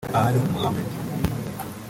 Ali Mohamed